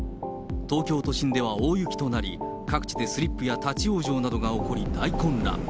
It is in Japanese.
東京都心では大雪となり、各地でスリップや立往生などが起こり、大混乱。